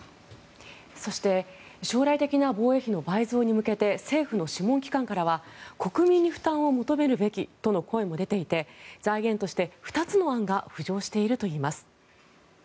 そして将来的な防衛費の倍増に向けて政府の諮問機関からは国民に負担を求めるべきとの声も出ていて財源として２つの案が浮上しているといいます。